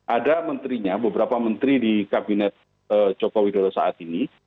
ada menterinya beberapa menteri di kabinet joko widodo saat ini